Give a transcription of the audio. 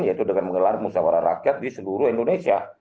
yaitu dengan menggelar musawarah rakyat di seluruh indonesia